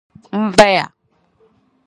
M baya.